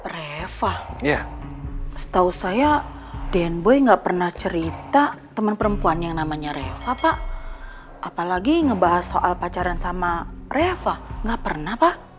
reva ya setahu saya den boy enggak pernah cerita teman perempuan yang namanya reva pak apalagi ngebahas soal pacaran sama reva nggak pernah pak